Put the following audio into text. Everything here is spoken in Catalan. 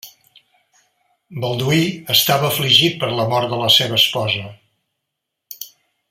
Balduí estava afligit per la mort de la seva esposa.